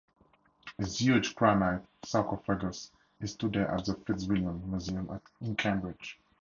His huge granite sarcophagus is today at the Fitzwilliam Museum in Cambridge.